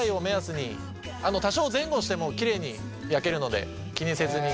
多少前後してもきれいに焼けるので気にせずに。